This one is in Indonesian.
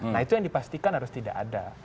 nah itu yang dipastikan harus tidak ada